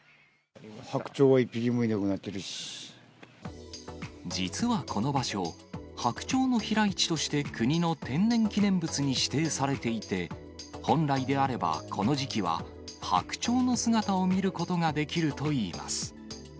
白鳥が一匹もいなくなってる実はこの場所、白鳥の飛来地として国の天然記念物に指定されていて、本来であればこの時期は、白鳥の姿を見ることができるといいます。